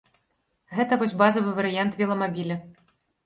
Гэта вось базавы варыянт веламабіля.